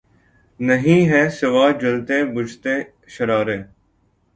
نہیں ھیں سوا جلتے بجھتے شرارے